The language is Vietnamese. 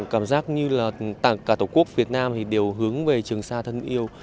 cảm giác như là cả tổ quốc việt nam thì đều hướng về trường sa thân yêu